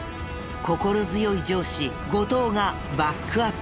心強い上司後藤がバックアップする。